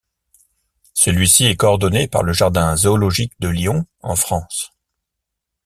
Celui-ci est coordonné par le Jardin zoologique de Lyon, en France.